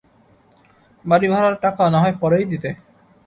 বাড়িভাড়ার টাকা নাহয় পরেই দিতে?